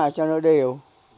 cho nó đều